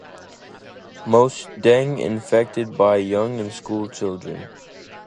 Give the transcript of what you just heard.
Most dengue infected by young and school children.